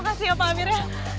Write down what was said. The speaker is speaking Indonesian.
makasih ya pak amir ya